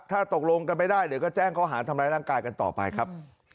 ถ้าตกลงกันไม่ได้เดี๋ยวก็แจ้งเขาหาทำร้ายร่างกายกันต่อไปครับ